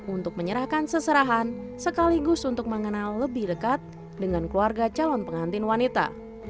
untuk menyerahkan seserahan sekaligus untuk mengenal lebih dekat dengan keluarga calon pengantin wanita